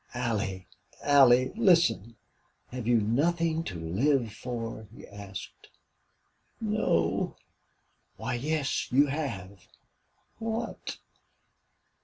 "Allie! Allie! Listen! Have you nothing to LIVE for?" he asked. "No." "Why, yes, you have." "What?"